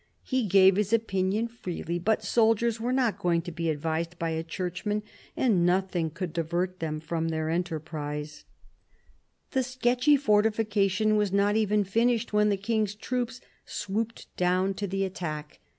He gave his opinion freely, but soldiers were not going to be advised by a churchman, and "nothing could divert them from their enterprise." THE BISHOP OF LUgON 125 The sketchy fortification was not even finished, when the King's troops swooped down to the attack.